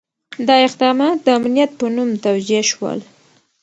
دا اقدامات د امنیت په نوم توجیه شول.